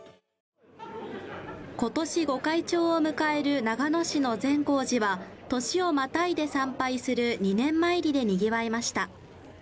今年御開帳を迎える長野市の善光寺は年をまたいで参拝する二年参りでにぎわいました。